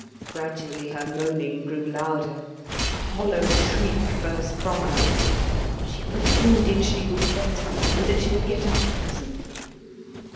Gradually, her moaning grew louder; a hollow shriek burst from her; she pretended she was better and that she would get up presently.